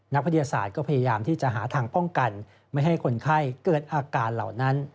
นักวิทยาศาสตร์ก็พยายามที่จะหาทางป้องกันไม่ให้คนไข้เกิดอาการเหล่านั้น